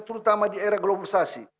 terutama di era globalisasi